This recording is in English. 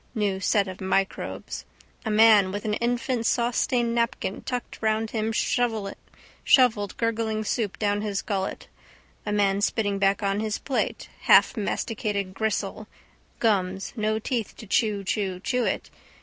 New set of microbes. A man with an infant's saucestained napkin tucked round him shovelled gurgling soup down his gullet. A man spitting back on his plate: halfmasticated gristle: gums: no teeth to chewchewchew it.